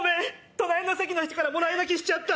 隣の席の人からもらい泣きしちゃった。